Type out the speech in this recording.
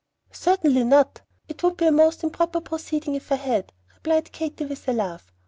"Certainly not. It would be a most improper proceeding if I had," replied Katy, with a laugh.